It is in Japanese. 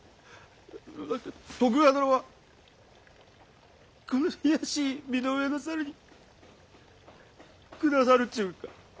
あ徳川殿はこの卑しい身の上の猿に下さるっちゅんか？